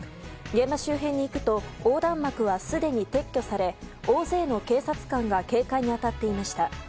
現場周辺に行くと横断幕はすでに撤去され大勢の警察官が警戒に当たっていました。